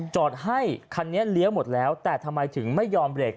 จอดให้คันนี้เลี้ยวแต่ทำไมถึงไม่ยอมเร็ก